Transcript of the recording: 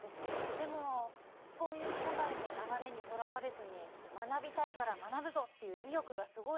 でもそういう社会の流れにとらわれずに「学びたいから学ぶぞ」っていう意欲がすごいですね。